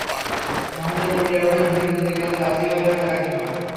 মহেন্দ্র বলিয়া উঠিল, বিনোদিনী কেন রাজী হইবে না, কাকীমা।